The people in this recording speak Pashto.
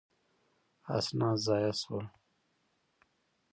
اسناد ضایع شول.